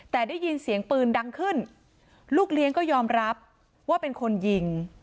แต่ได้ยินเสียงปืนดังขึ้นลูกเลี้ยงก็ยอมรับว่าเป็นคนยิง